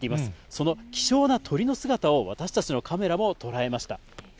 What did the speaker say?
その希少な鳥の姿を私たちのカメラも捉えました。